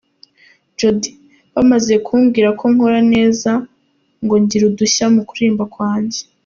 Jody : Bamaze kumbwira ko nkora neza, ngo ngira udushya mu kuririmba kwanjye.